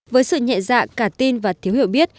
với sự nhẹ dạ cả tin và thiếu hiểu biết